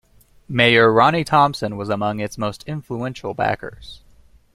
Mayor Ronnie Thompson was among its most influential backers.